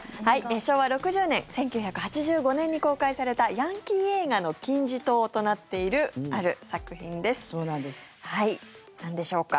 昭和６０年、１９８５年に公開されたヤンキー映画の金字塔となっているそうなんです。